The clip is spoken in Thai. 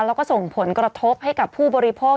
แล้วก็ส่งผลกระทบให้กับผู้บริโภค